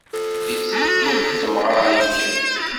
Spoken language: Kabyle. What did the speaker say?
Iteddu d temɣarin kan.